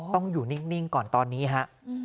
ต้องอยู่นิ่งก่อนตอนนี้ฮะ